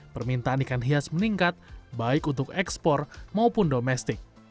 permintaan ikan hias meningkat baik untuk ekspor maupun domestik